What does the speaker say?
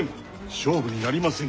勝負になりませぬ。